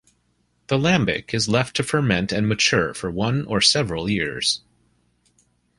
The lambic is left to ferment and mature for one or several years.